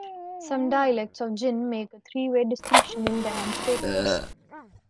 Some dialects of Jin make a three-way distinction in demonstratives.